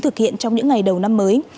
thực hiện trong những ngày đầu năm mới